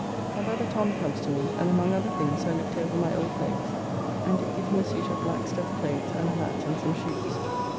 My brother Tom comes to me, and among other things I looked over my old clothes and did give him a suit of black stuff clothes and a hat and some shoes.